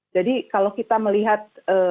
jadi kalau kita melawan kelompok kelompok arab